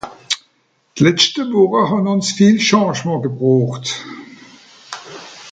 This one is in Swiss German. D’letschte Wùche hàn ùns viel Changement gebroocht.